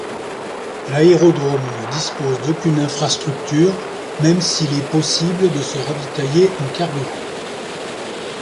L'aérodrome ne dispose d'aucune infrastructure, même s'il est possible de se ravitailler en carburant.